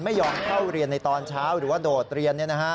ไม่ยอมเข้าเรียนในตอนเช้าหรือว่าโดดเรียน